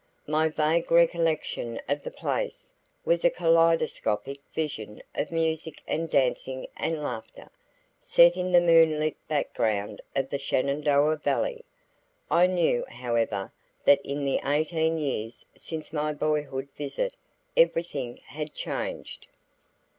My vague recollection of the place was a kaleidoscopic vision of music and dancing and laughter, set in the moonlit background of the Shenandoah Valley. I knew, however, that in the eighteen years since my boyhood visit everything had changed.